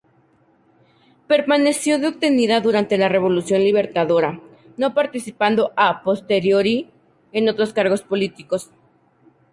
Permaneció detenida durante la Revolución Libertadora, no participando a posteriori en otros cargos políticos.